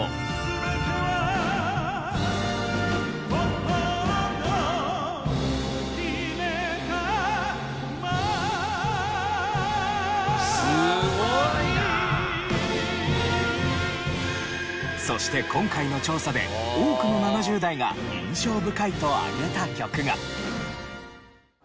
「すべては心の決めたままに」そして今回の調査で多くの７０代が印象深いと挙げた曲が。